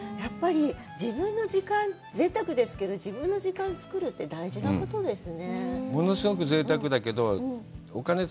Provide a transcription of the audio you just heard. やっぱり自分の時間、ぜいたくですけど、自分の時間作るって大事なことですね。